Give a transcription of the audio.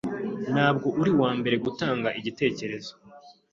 Ntabwo uri uwambere gutanga igitekerezo